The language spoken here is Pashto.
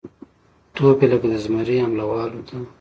توپ یې لکه د زمري حمله والوته